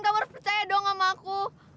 kamu harus percaya dong sama aku